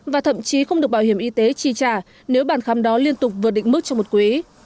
và thậm chí không được bảo hiểm y tế chi trả nếu bàn khám đó liên tục vượt định mức trong một quý